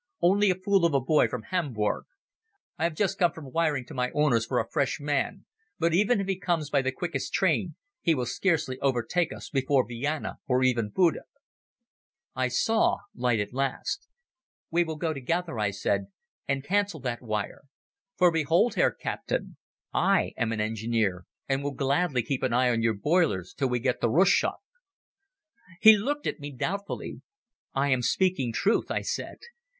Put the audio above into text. Only a fool of a boy from Hamburg. I have just come from wiring to my owners for a fresh man, but even if he comes by the quickest train he will scarcely overtake us before Vienna or even Buda." I saw light at last. "We will go together," I said, "and cancel that wire. For behold, Herr Captain, I am an engineer, and will gladly keep an eye on your boilers till we get to Rustchuk." He looked at me doubtfully. "I am speaking truth," I said.